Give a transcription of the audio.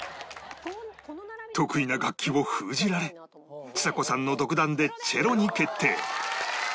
得意な楽器を封じられちさ子さんの独断でチェロに決定